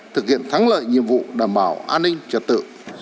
thực hiện thắng lợi nhiệm vụ đảm bảo an ninh trật tự